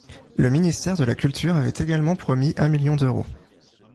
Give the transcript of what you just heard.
Le ministère de la Culture avait également promis un million d'euros.